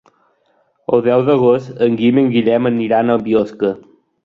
El deu d'agost en Guim i en Guillem aniran a Biosca.